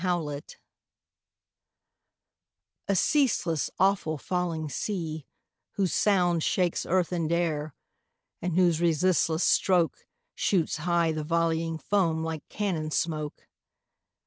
NIAGARA A ceaseless, awful, falling sea, whose sound Shakes earth and air, and whose resistless stroke Shoots high the volleying foam like cannon smoke!